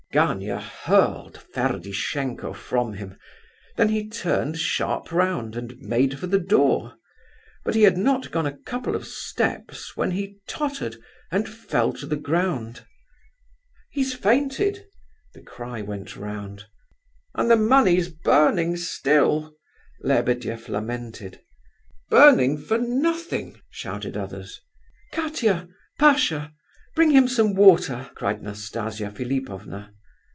Gania hurled Ferdishenko from him; then he turned sharp round and made for the door. But he had not gone a couple of steps when he tottered and fell to the ground. "He's fainted!" the cry went round. "And the money's burning still," Lebedeff lamented. "Burning for nothing," shouted others. "Katia Pasha! Bring him some water!" cried Nastasia Philipovna.